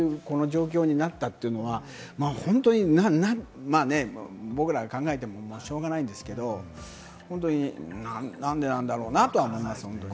そこを乗り越えて、こういう状況になったというのは、僕らが考えてもしょうがないんですけれども、何でなんだろうなと思います。